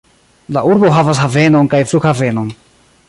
La urbo havas havenon kaj flughavenon.